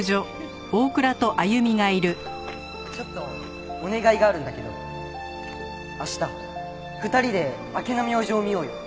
ちょっとお願いがあるんだけど明日２人で明けの明星を見ようよ。